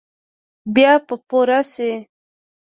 بیا به پوره شي ؟